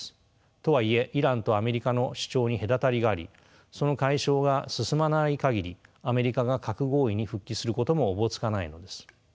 とはいえイランとアメリカの主張に隔たりがありその解消が進まない限りアメリカが核合意に復帰することもおぼつかないのです。